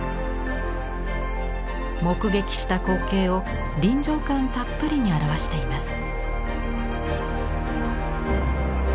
目撃した光景を臨場感たっぷりに表しています。